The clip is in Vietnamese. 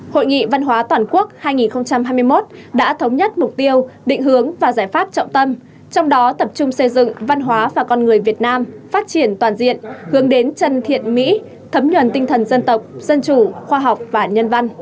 hội nghị văn hóa toàn quốc hai nghìn hai mươi một đã thống nhất mục tiêu định hướng và giải pháp trọng tâm trong đó tập trung xây dựng văn hóa và con người việt nam phát triển toàn diện hướng đến chân thiện mỹ thấm nhuần tinh thần dân tộc dân chủ khoa học và nhân văn